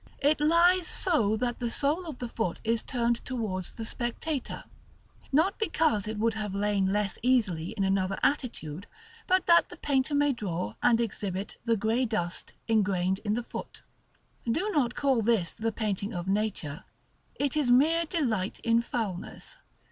It lies so that the sole of the foot is turned towards the spectator; not because it would have lain less easily in another attitude, but that the painter may draw, and exhibit, the grey dust engrained in the foot. Do not call this the painting of nature: it is mere delight in foulness.